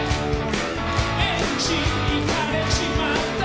「エンジンいかれちまった」